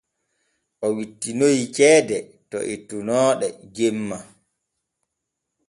O wittinoyii ceede to ettunoo ɗe jemma.